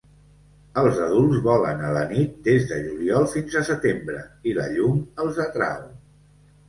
Els adults volen a la nit des de juliol fins a setembre i la llum els atrau.